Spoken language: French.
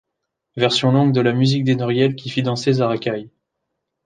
Version longue de la musique d'Enoriel qui fit danser Zarakaï.